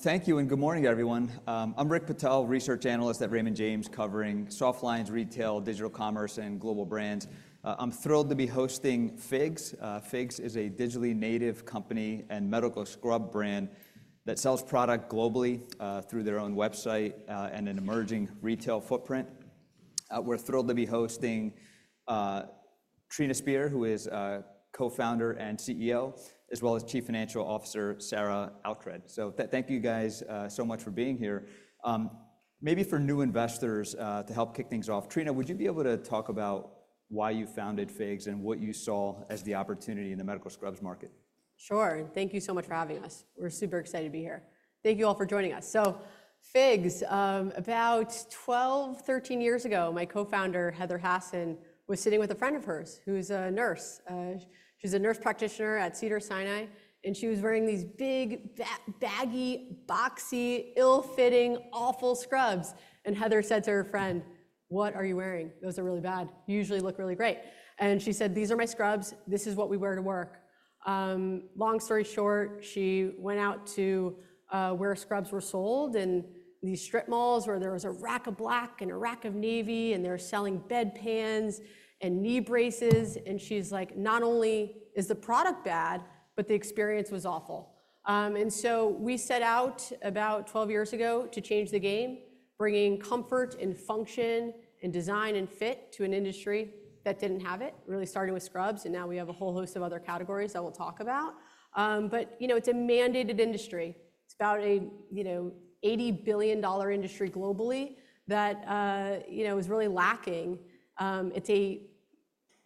Thank you and good morning, everyone. I'm Rick Patel, Research Analyst at Raymond James covering soft lines, retail, digital commerce, and global brands. I'm thrilled to be hosting FIGS. FIGS is a digitally native company and medical scrub brand that sells product globally through their own website and an emerging retail footprint. We're thrilled to be hosting Trina Spear, who is Co-founder and CEO, as well as Chief Financial Officer Sarah Oughtred. Thank you guys so much for being here. Maybe for new investors, to help kick things off, Trina, would you be able to talk about why you founded FIGS and what you saw as the opportunity in the medical scrubs market? Sure. Thank you so much for having us. We're super excited to be here. Thank you all for joining us. FIGS, about 12 or 13 years ago, my co-founder, Heather Hasson, was sitting with a friend of hers who's a nurse. She's a nurse practitioner at Cedars-Sinai, and she was wearing these big, baggy, boxy, ill-fitting, awful scrubs. Heather said to her friend, "What are you wearing? Those are really bad. You usually look really great." She said, "These are my scrubs. This is what we wear to work." Long story short, she went out to where scrubs were sold in these strip malls where there was a rack of black and a rack of navy, and they were selling bedpans and knee braces. She’s like, "Not only is the product bad, but the experience was awful." We set out about 12 years ago to change the game, bringing comfort and function and design and fit to an industry that did not have it. Really started with scrubs, and now we have a whole host of other categories that we will talk about. It is a mandated industry. It is about an $80 billion industry globally that is really lacking. It is a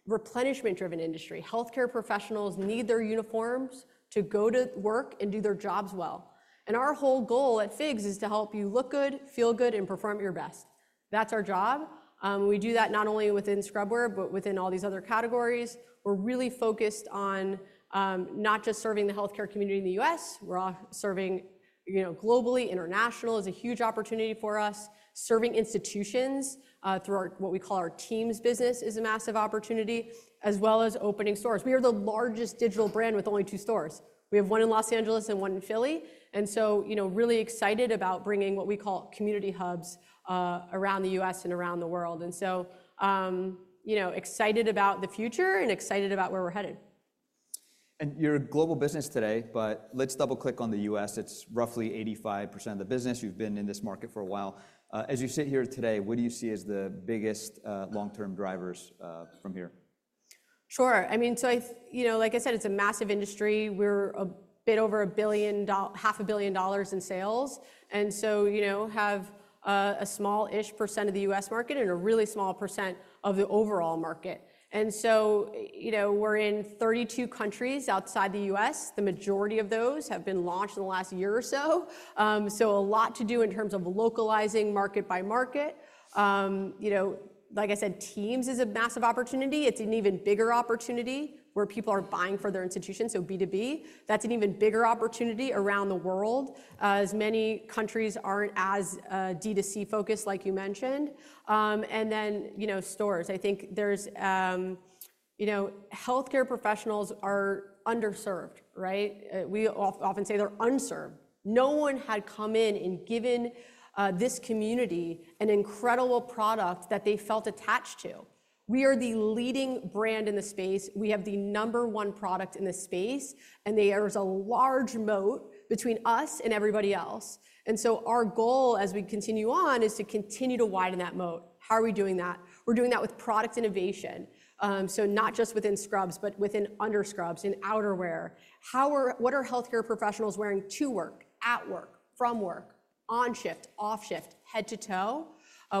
replenishment-driven industry. Healthcare professionals need their uniforms to go to work and do their jobs well. Our whole goal at FIGS is to help you look good, feel good, and perform your best. That is our job. We do that not only within scrubwear, but within all these other categories. We are really focused on not just serving the healthcare community in the U.S. We are serving globally. International is a huge opportunity for us. Serving institutions through what we call our TEAMS business is a massive opportunity, as well as opening stores. We are the largest digital brand with only two stores. We have one in Los Angeles and one in Philly. Really excited about bringing what we call community hubs around the U.S. and around the world. Excited about the future and excited about where we're headed. You're a global business today, but let's double-click on the U.S. It's roughly 85% of the business. You've been in this market for a while. As you sit here today, what do you see as the biggest long-term drivers from here? Sure. I mean, like I said, it's a massive industry. We're a bit over $500,000,000 in sales and have a small-ish percent of the U.S. market and a really small percent of the overall market. We're in 32 countries outside the U.S. The majority of those have been launched in the last year or so. A lot to do in terms of localizing market by market. Like I said, teams is a massive opportunity. It's an even bigger opportunity where people are buying for their institutions, so B2B. That's an even bigger opportunity around the world as many countries aren't as D2C focused, like you mentioned. Stores. I think healthcare professionals are underserved, right? We often say they're unserved. No one had come in and given this community an incredible product that they felt attached to. We are the leading brand in the space. We have the number one product in the space. There is a large moat between us and everybody else. Our goal as we continue on is to continue to widen that moat. How are we doing that? We are doing that with product innovation. Not just within scrubs, but within underscrubs, in outerwear. What are healthcare professionals wearing to work, at work, from work, on shift, off shift, head to toe?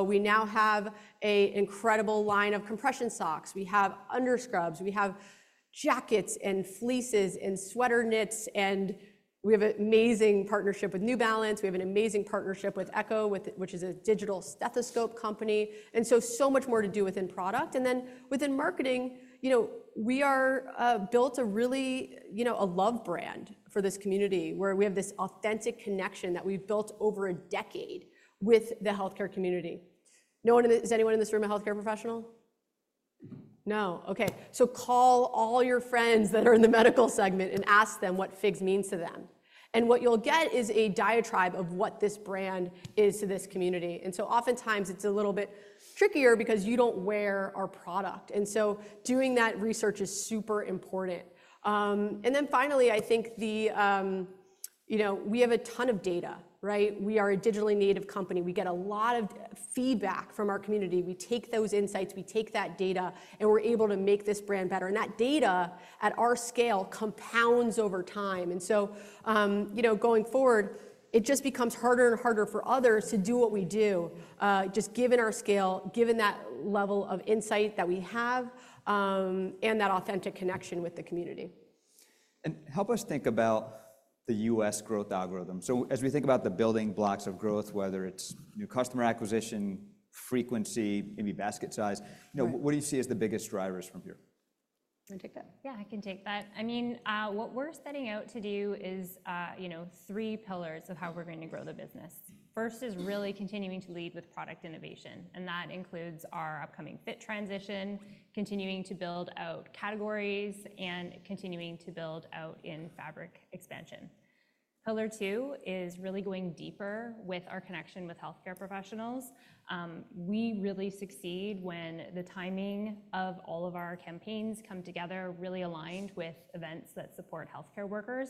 We now have an incredible line of compression socks. We have underscrubs. We have jackets and fleeces and sweater knits. We have an amazing partnership with New Balance. We have an amazing partnership with Echo, which is a digital stethoscope company. There is so much more to do within product. Within marketing, we have built a really love brand for this community where we have this authentic connection that we've built over a decade with the healthcare community. Is anyone in this room a healthcare professional? No? Okay. Call all your friends that are in the medical segment and ask them what FIGS means to them. What you'll get is a diatribe of what this brand is to this community. Oftentimes it's a little bit trickier because you don't wear our product. Doing that research is super important. Finally, I think we have a ton of data, right? We are a digitally native company. We get a lot of feedback from our community. We take those insights, we take that data, and we're able to make this brand better. That data at our scale compounds over time. Going forward, it just becomes harder and harder for others to do what we do, just given our scale, given that level of insight that we have, and that authentic connection with the community. Help us think about the U.S. growth algorithm. As we think about the building blocks of growth, whether it's new customer acquisition, frequency, maybe basket size, what do you see as the biggest drivers from here? I'll take that .Yeah, I can take that. I mean, what we're setting out to do is three pillars of how we're going to grow the business. First is really continuing to lead with product innovation. That includes our upcoming fit transition, continuing to build out categories, and continuing to build out in fabric expansion. Pillar two is really going deeper with our connection with healthcare professionals. We really succeed when the timing of all of our campaigns come together really aligned with events that support healthcare workers.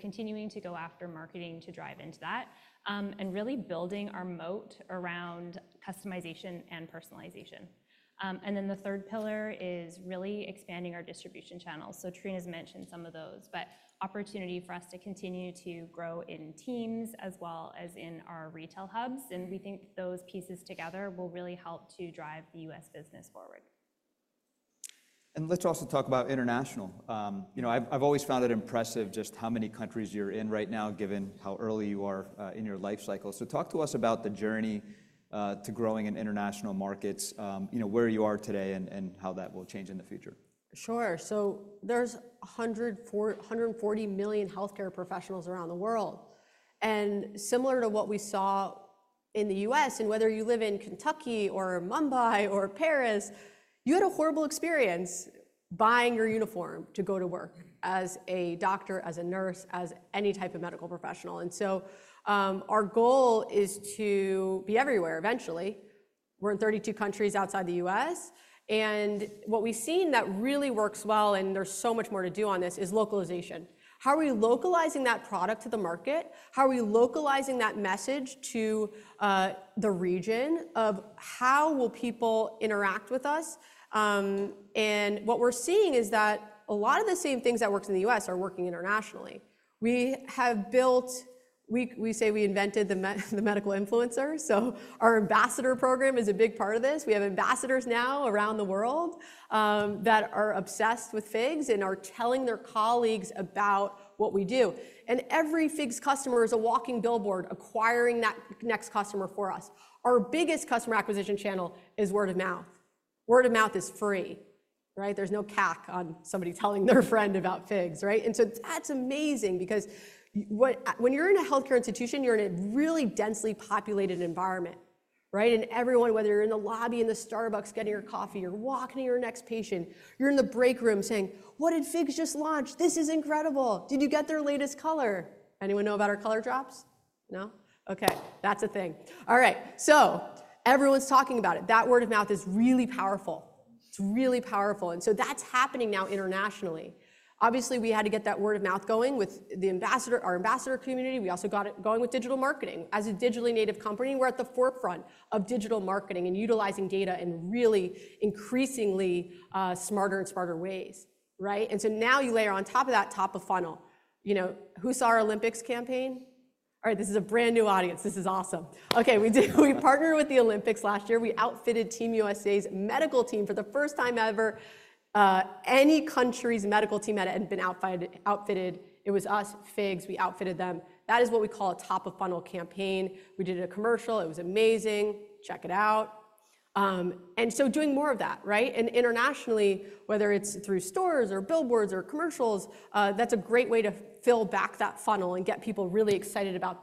Continuing to go after marketing to drive into that and really building our moat around customization and personalization. The third pillar is really expanding our distribution channels. Trina's mentioned some of those, but opportunity for us to continue to grow in teams as well as in our retail hubs. We think those pieces together will really help to drive the U.S. business forward. Let's also talk about international. I've always found it impressive just how many countries you're in right now, given how early you are in your life cycle. Talk to us about the journey to growing in international markets, where you are today, and how that will change in the future. Sure. There are 140 million healthcare professionals around the world. Similar to what we saw in the U.S., whether you live in Kentucky or Mumbai or Paris, you had a horrible experience buying your uniform to go to work as a doctor, as a nurse, as any type of medical professional. Our goal is to be everywhere eventually. We're in 32 countries outside the U.S. What we've seen that really works well, and there's so much more to do on this, is localization. How are we localizing that product to the market? How are we localizing that message to the region of how people will interact with us? What we're seeing is that a lot of the same things that work in the U.S. are working internationally. We have built, we say we invented the medical influencer. Our ambassador program is a big part of this. We have ambassadors now around the world that are obsessed with FIGS and are telling their colleagues about what we do. Every FIGS customer is a walking billboard acquiring that next customer for us. Our biggest customer acquisition channel is word of mouth. Word of mouth is free. There is no CAC on somebody telling their friend about FIGS. That is amazing because when you are in a healthcare institution, you are in a really densely populated environment. Everyone, whether you are in the lobby in the Starbucks getting your coffee, you are walking to your next patient, you are in the break room saying, "What did FIGS just launch? This is incredible. Did you get their latest color?" Anyone know about our color drops? No? Okay. That is a thing. All right. Everyone is talking about it. That word of mouth is really powerful. It's really powerful. That's happening now internationally. Obviously, we had to get that word of mouth going with our ambassador community. We also got it going with digital marketing. As a digitally native company, we're at the forefront of digital marketing and utilizing data in really increasingly smarter and smarter ways. Now you layer on top of that top of funnel. Who saw our Olympics campaign? All right. This is a brand new audience. This is awesome. Okay. We partnered with the Olympics last year. We outfitted Team USA's medical team for the first time ever. Any country's medical team had been outfitted, it was us, FIGS. We outfitted them. That is what we call a top of funnel campaign. We did a commercial. It was amazing. Check it out. Doing more of that, right? Internationally, whether it is through stores or billboards or commercials, that is a great way to fill back that funnel and get people really excited about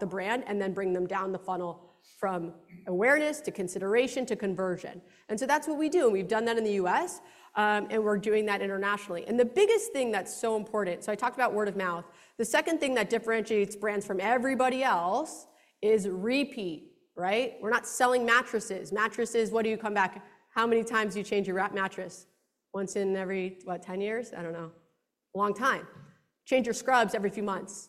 the brand and then bring them down the funnel from awareness to consideration to conversion. That is what we do. We have done that in the U.S., and we are doing that internationally. The biggest thing that is so important, I talked about word of mouth. The second thing that differentiates brands from everybody else is repeat. We are not selling mattresses. Mattresses, what do you come back? How many times do you change your mattress? Once in every, what, 10 years? I do not know. Long time. Change your scrubs every few months.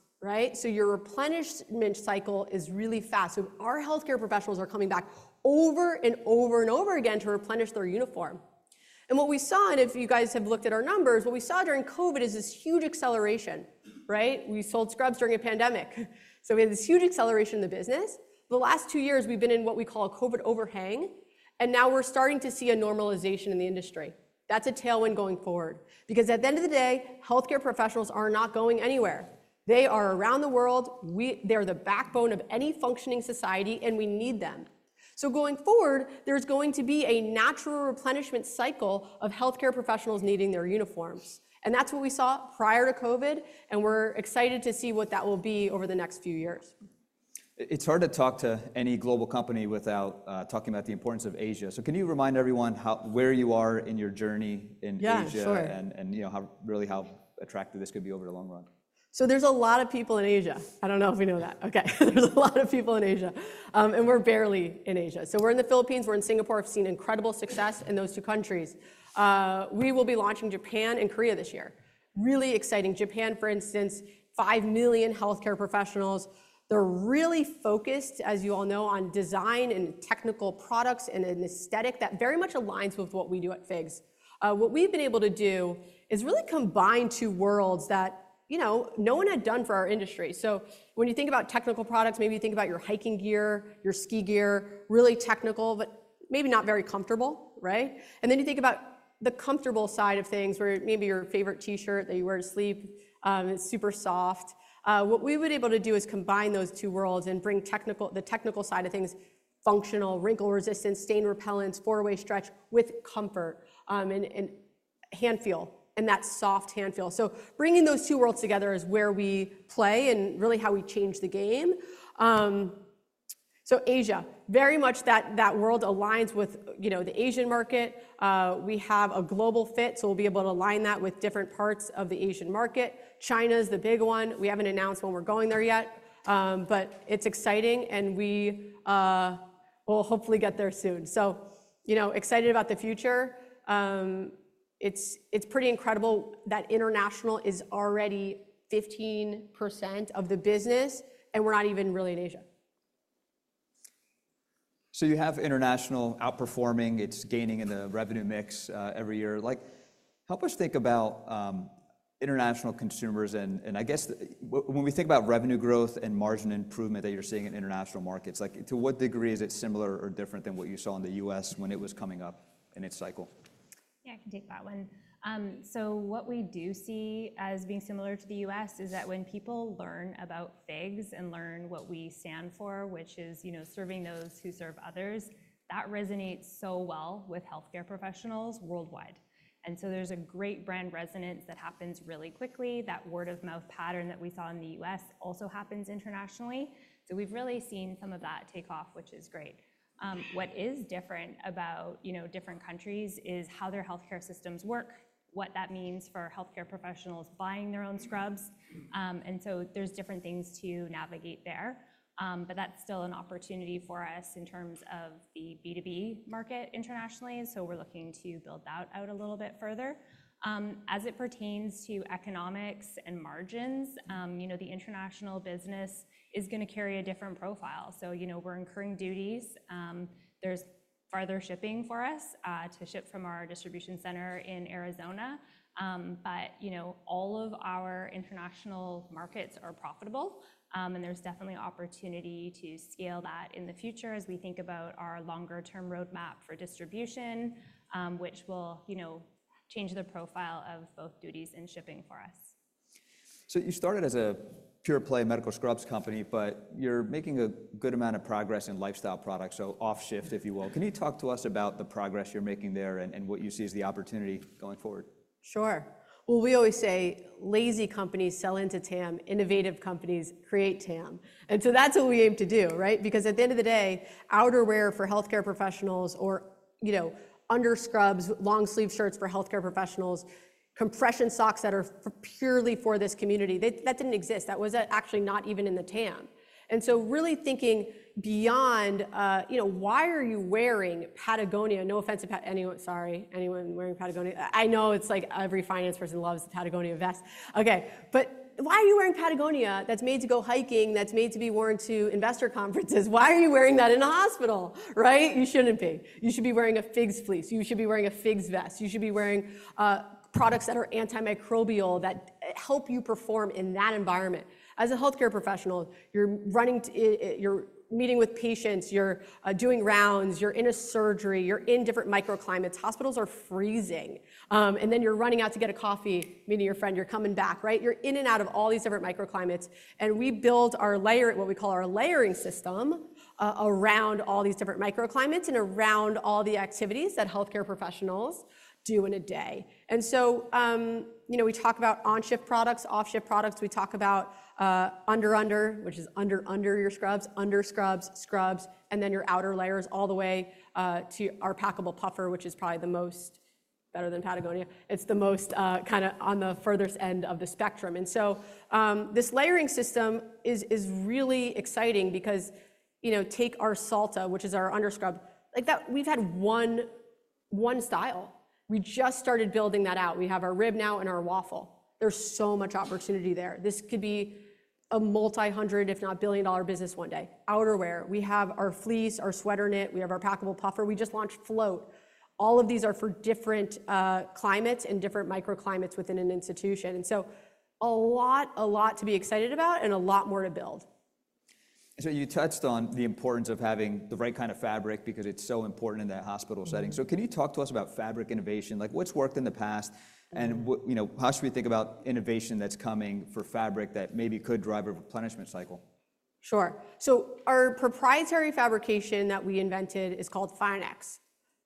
Your replenishment cycle is really fast. Our healthcare professionals are coming back over and over and over again to replenish their uniform. What we saw, and if you guys have looked at our numbers, what we saw during COVID is this huge acceleration. We sold scrubs during a pandemic. We had this huge acceleration in the business. The last two years, we've been in what we call a COVID overhang. Now we're starting to see a normalization in the industry. That's a tailwind going forward because at the end of the day, healthcare professionals are not going anywhere. They are around the world. They're the backbone of any functioning society, and we need them. Going forward, there's going to be a natural replenishment cycle of healthcare professionals needing their uniforms. That's what we saw prior to COVID. We're excited to see what that will be over the next few years. It's hard to talk to any global company without talking about the importance of Asia. Can you remind everyone where you are in your journey in Asia Sure and really how attractive this could be over the long run? There are a lot of people in Asia. I do not know if we know that. There are a lot of people in Asia, and we are barely in Asia. We are in the Philippines. We are in Singapore. I have seen incredible success in those two countries. We will be launching Japan and Korea this year. Really exciting. Japan, for instance, has 5 million healthcare professionals. They are really focused, as you all know, on design and technical products and an aesthetic that very much aligns with what we do at FIGS. What we have been able to do is really combine two worlds that no one had done for our industry. When you think about technical products, maybe you think about your hiking gear, your ski gear, really technical, but maybe not very comfortable. You think about the comfortable side of things where maybe your favorite T-shirt that you wear to sleep, it's super soft. What we've been able to do is combine those two worlds and bring the technical side of things, functional, wrinkle resistance, stain repellence, four-way stretch with comfort and hand feel and that soft hand feel. Bringing those two worlds together is where we play and really how we change the game. Asia, very much that world aligns with the Asian market. We have a global fit, so we'll be able to align that with different parts of the Asian market. China is the big one. We haven't announced when we're going there yet, but it's exciting, and we will hopefully get there soon. Excited about the future. It's pretty incredible that international is already 15% of the business, and we're not even really in Asia. You have international outperforming. It's gaining in the revenue mix every year. Help us think about international consumers. I guess when we think about revenue growth and margin improvement that you're seeing in international markets, to what degree is it similar or different than what you saw in the U.S. when it was coming up in its cycle? Yeah, I can take that one. What we do see as being similar to the U.S. is that when people learn about FIGS and learn what we stand for, which is serving those who serve others, that resonates so well with healthcare professionals worldwide. There is a great brand resonance that happens really quickly. That word of mouth pattern that we saw in the U.S. also happens internationally. We have really seen some of that take off, which is great. What is different about different countries is how their healthcare systems work, what that means for healthcare professionals buying their own scrubs. There are different things to navigate there. That is still an opportunity for us in terms of the B2B market internationally. We are looking to build that out a little bit further. As it pertains to economics and margins, the international business is going to carry a different profile. We are incurring duties. There is farther shipping for us to ship from our distribution center in Arizona. All of our international markets are profitable. There is definitely opportunity to scale that in the future as we think about our longer-term roadmap for distribution, which will change the profile of both duties and shipping for us. You started as a pure play medical scrubs company, but you're making a good amount of progress in lifestyle products, so off shift, if you will. Can you talk to us about the progress you're making there and what you see as the opportunity going forward? Sure. We always say lazy companies sell into TAM. Innovative companies create TAM. That is what we aim to do, right? Because at the end of the day, outerwear for healthcare professionals or underscrubs, long sleeve shirts for healthcare professionals, compression socks that are purely for this community, that did not exist. That was actually not even in the TAM. Really thinking beyond, why are you wearing Patagonia? No offense to anyone, sorry, anyone wearing Patagonia. I know it is like every finance person loves the Patagonia vest. Okay. Why are you wearing Patagonia that is made to go hiking, that is made to be worn to investor conferences? Why are you wearing that in a hospital? You should not be. You should be wearing a FIGS fleece. You should be wearing a FIGS vest. You should be wearing products that are antimicrobial that help you perform in that environment. As a healthcare professional, you're meeting with patients. You're doing rounds. You're in a surgery. You're in different microclimates. Hospitals are freezing. You're running out to get a coffee, meeting your friend. You're coming back, right? You're in and out of all these different microclimates. We build our layer, what we call our layering system, around all these different microclimates and around all the activities that healthcare professionals do in a day. We talk about on-shift products, off-shift products. We talk about under-under, which is under-under your scrubs, under scrubs, scrubs, and then your outer layers all the way to our packable puffer, which is probably the most better than Patagonia. It's the most kind of on the furthest end of the spectrum. This layering system is really exciting because take our Salta, which is our underscrub. We've had one style. We just started building that out. We have our rib now and our waffle. There's so much opportunity there. This could be a multi-hundred, if not billion-dollar business one day. Outerwear. We have our fleece, our sweater knit. We have our packable puffer. We just launched Float. All of these are for different climates and different microclimates within an institution. A lot to be excited about and a lot more to build. You touched on the importance of having the right kind of fabric because it's so important in that hospital setting. Can you talk to us about fabric innovation? What's worked in the past? How should we think about innovation that's coming for fabric that maybe could drive a replenishment cycle? Sure. Our proprietary fabrication that we invented is called FIONEX.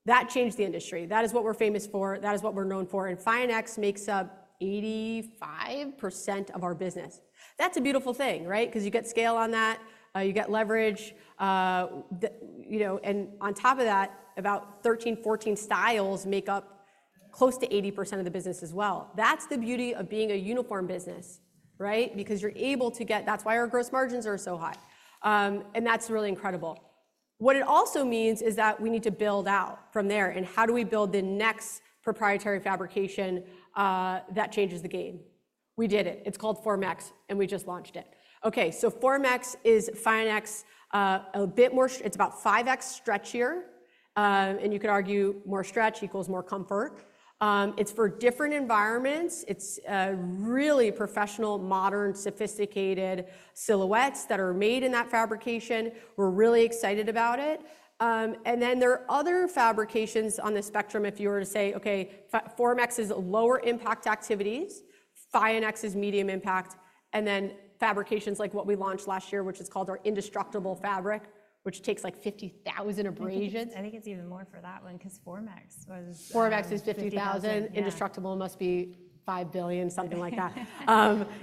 That changed the industry. That is what we're famous for. That is what we're known for. FIONEX makes up 85% of our business. That's a beautiful thing, right? Because you get scale on that. You get leverage. On top of that, about 13, 14 styles make up close to 80% of the business as well. That's the beauty of being a uniform business, right? Because you're able to get that's why our gross margins are so high. That's really incredible. What it also means is that we need to build out from there. How do we build the next proprietary fabrication that changes the game? We did it. It's called FormX, and we just launched it. FormX is FIONEX a bit more it's about 5X stretchier. You could argue more stretch equals more comfort. It is for different environments. It is really professional, modern, sophisticated silhouettes that are made in that fabrication. We are really excited about it. There are other fabrications on the spectrum if you were to say, okay, FormX is lower impact activities, FIONEX is medium impact, and then fabrications like what we launched last year, which is called our indestructible fabric, which takes like 50,000 abrasions. I think it's even more for that one because FormX was 50,000. FormX is 50,000. Indestructible must be 5 billion, something like that.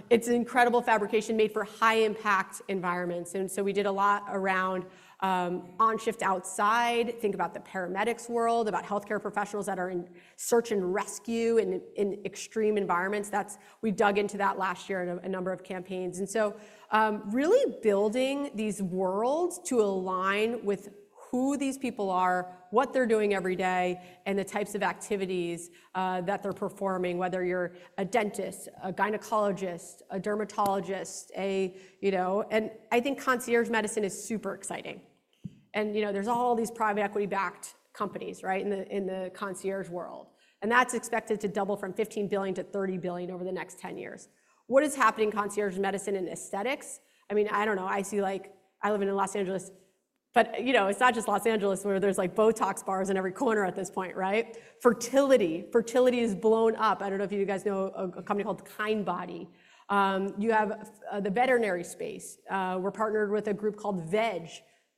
It's an incredible fabrication made for high impact environments. We did a lot around on-shift outside. Think about the paramedics world, about healthcare professionals that are in search and rescue in extreme environments. We dug into that last year in a number of campaigns. Really building these worlds to align with who these people are, what they're doing every day, and the types of activities that they're performing, whether you're a dentist, a gynecologist, a dermatologist. I think concierge medicine is super exciting. There are all these private equity-backed companies in the concierge world. That's expected to double from $15 billion to $30 billion over the next 10 years. What is happening in concierge medicine and aesthetics? I mean, I don't know. I see I live in Los Angeles, but it's not just Los Angeles where there's Botox bars in every corner at this point, right? Fertility. Fertility has blown up. I don't know if you guys know a company called Kindbody. You have the veterinary space. We're partnered with a group called Veg.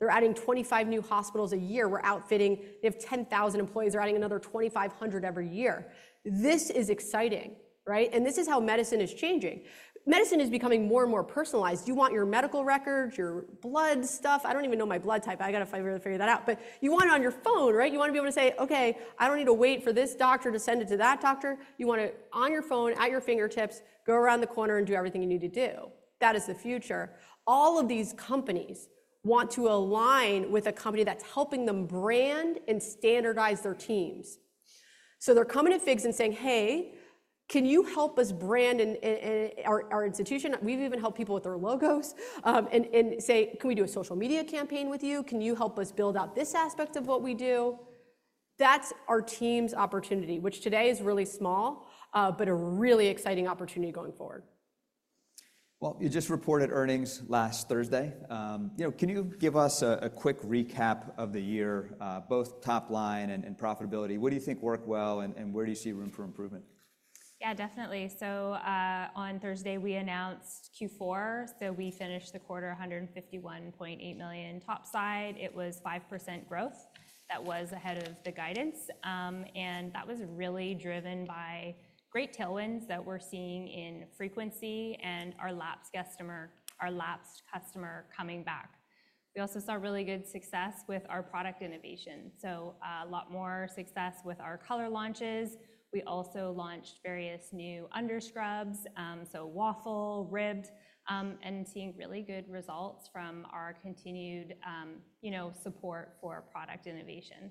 They're adding 25 new hospitals a year. We're outfitting. They have 10,000 employees. They're adding another 2,500 every year. This is exciting, right? This is how medicine is changing. Medicine is becoming more and more personalized. You want your medical records, your blood stuff. I don't even know my blood type. I got to figure that out. You want it on your phone, right? You want to be able to say, "Okay, I don't need to wait for this doctor to send it to that doctor." You want it on your phone, at your fingertips, go around the corner, and do everything you need to do. That is the future. All of these companies want to align with a company that's helping them brand and standardize their teams. They are coming to FIGS and saying, "Hey, can you help us brand our institution?" We've even helped people with their logos and say, "Can we do a social media campaign with you? Can you help us build out this aspect of what we do?" That is our team's opportunity, which today is really small, but a really exciting opportunity going forward. You just reported earnings last Thursday. Can you give us a quick recap of the year, both top line and profitability? What do you think worked well and where do you see room for improvement? Yeah, definitely. On Thursday, we announced Q4. We finished the quarter $151.8 million top side. It was 5% growth. That was ahead of the guidance. That was really driven by great tailwinds that we're seeing in frequency and our lapsed customer coming back. We also saw really good success with our product innovation. A lot more success with our color launches. We also launched various new underscrubs, so waffle, ribbed, and seeing really good results from our continued support for product innovation.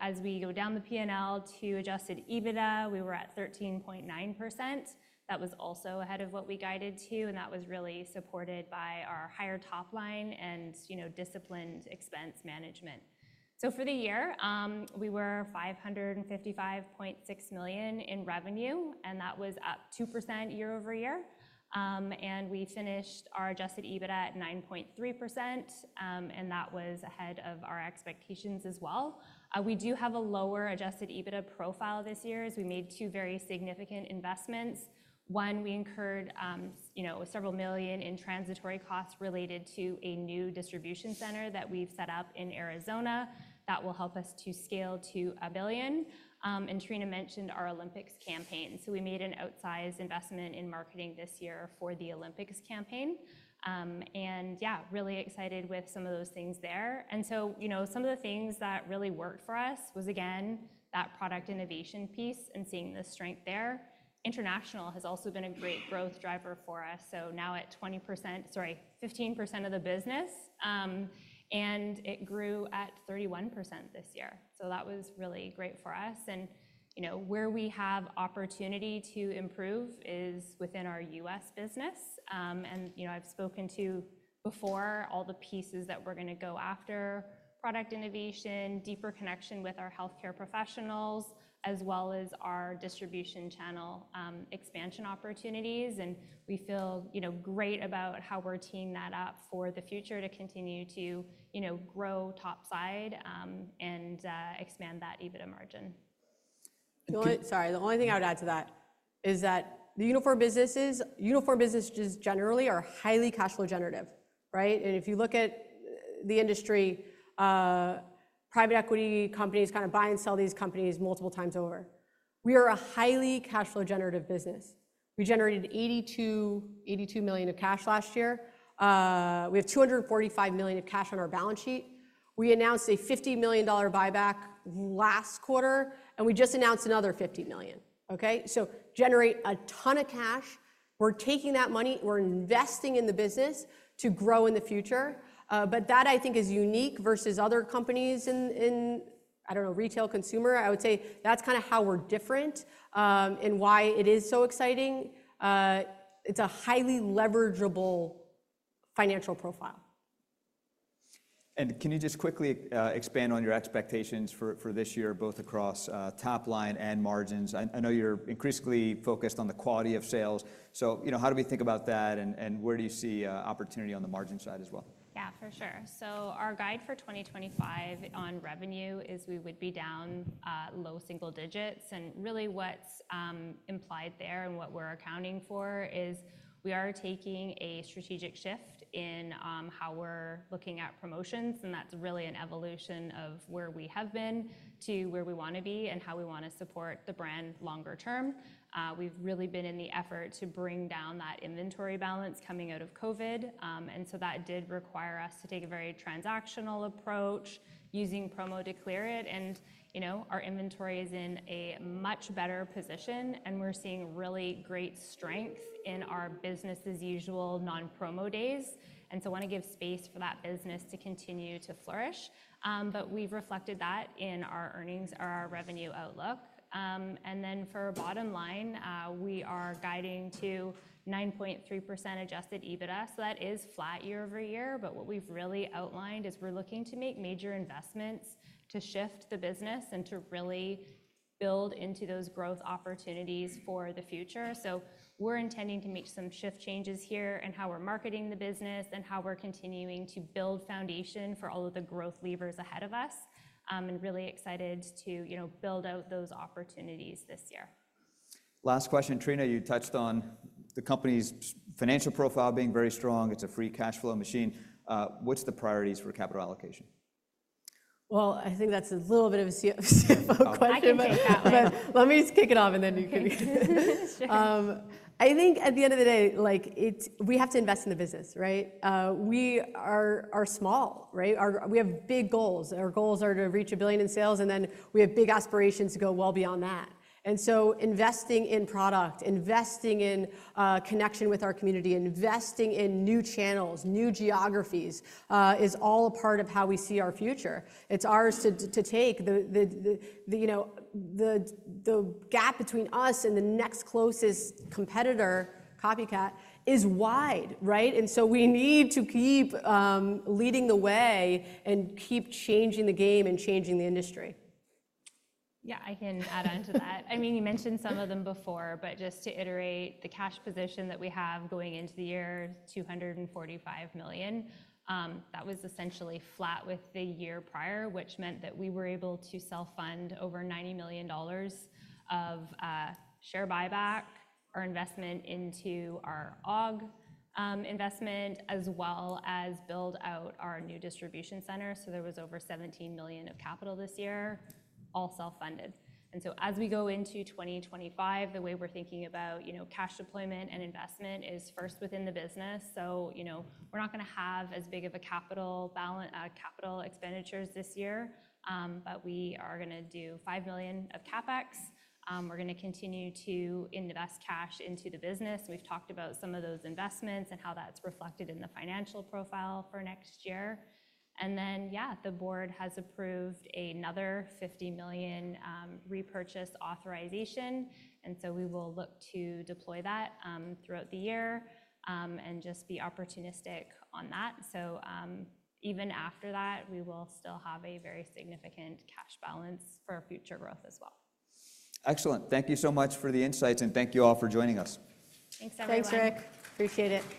As we go down the P&L to Adjusted EBITDA, we were at 13.9%. That was also ahead of what we guided to. That was really supported by our higher top line and disciplined expense management. For the year, we were $555.6 million in revenue, and that was up 2% year over year. We finished our Adjusted EBITDA at 9.3%, and that was ahead of our expectations as well. We do have a lower Adjusted EBITDA profile this year as we made two very significant investments. One, we incurred several million in transitory costs related to a new distribution center that we have set up in Arizona that will help us to scale to a billion. Trina mentioned our Olympics campaign. We made an outsized investment in marketing this year for the Olympics campaign. Yeah, really excited with some of those things there. Some of the things that really worked for us was, again, that product innovation piece and seeing the strength there. International has also been a great growth driver for us. Now at 15% of the business, and it grew at 31% this year. That was really great for us. Where we have opportunity to improve is within our U.S. business. I have spoken to before all the pieces that we are going to go after: product innovation, deeper connection with our healthcare professionals, as well as our distribution channel expansion opportunities. We feel great about how we are teeing that up for the future to continue to grow topside and expand that EBITDA margin. Sorry, the only thing I would add to that is that the uniform businesses generally are highly Cash flow generative, right? If you look at the industry, private equity companies kind of buy and sell these companies multiple times over. We are a highly Cash flow generative business. We generated $82 million of cash last year. We have $245 million of cash on our balance sheet. We announced a $50 million buyback last quarter, and we just announced another $50 million. We generate a ton of cash. We're taking that money. We're investing in the business to grow in the future. That, I think, is unique versus other companies in, I don't know, retail, consumer. I would say that's kind of how we're different and why it is so exciting. It's a highly leverageable financial profile. Can you just quickly expand on your expectations for this year, both across top line and margins? I know you're increasingly focused on the quality of sales. How do we think about that, and where do you see opportunity on the margin side as well? Yeah, for sure. Our guide for 2025 on revenue is we would be down low single digits. What is implied there and what we are accounting for is we are taking a strategic shift in how we are looking at promotions. That is really an evolution of where we have been to where we want to be and how we want to support the brand longer term. We have really been in the effort to bring down that inventory balance coming out of COVID. That did require us to take a very transactional approach using promo to clear it. Our inventory is in a much better position, and we are seeing really great strength in our business-as-usual non-promo days. I want to give space for that business to continue to flourish. We have reflected that in our earnings, our revenue outlook. For bottom line, we are guiding to 9.3% Adjusted EBITDA. That is flat year- over- year. What we've really outlined is we're looking to make major investments to shift the business and to really build into those growth opportunities for the future. We're intending to make some shift changes here in how we're marketing the business and how we're continuing to build foundation for all of the growth levers ahead of us. Really excited to build out those opportunities this year. Last question. Trina, you touched on the company's financial profile being very strong. It's a Free cash flow machine. What's the priorities for capital allocation? I think that's a little bit of a CFO question. Let me just kick it off, and then you can... I think at the end of the day, we have to invest in the business, right? We are small, right? We have big goals. Our goals are to reach a billion in sales, and we have big aspirations to go well beyond that. Investing in product, investing in connection with our community, investing in new channels, new geographies is all a part of how we see our future. It's ours to take. The gap between us and the next closest competitor, Copycat, is wide, right? We need to keep leading the way and keep changing the game and changing the industry. Yeah, I can add on to that. I mean, you mentioned some of them before, but just to iterate, the cash position that we have going into the year is $245 million. That was essentially flat with the year prior, which meant that we were able to self-fund over $90 million of share buyback, our investment into our AUG investment, as well as build out our new distribution center. There was over $17 million of capital this year, all self-funded. As we go into 2025, the way we're thinking about cash deployment and investment is first within the business. We're not going to have as big of capital expenditures this year, but we are going to do $5 million of CapEx. We're going to continue to invest cash into the business. We've talked about some of those investments and how that's reflected in the financial profile for next year. Yeah, the board has approved another $50 million repurchase authorization. We will look to deploy that throughout the year and just be opportunistic on that. Even after that, we will still have a very significant cash balance for future growth as well. Excellent. Thank you so much for the insights, and thank you all for joining us. Thanks, everyone. Thanks, Rick. Appreciate it.